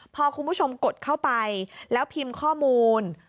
พอคุณผู้ชมกดเข้าไปแล้วพิมพ์ข้อมูล